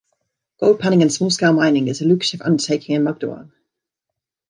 Gold panning and small-scale mining is a lucrative undertaking in Magdiwang.